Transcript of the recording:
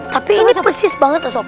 tapi ini persis banget ya sob